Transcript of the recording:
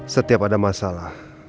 setiap ada masalah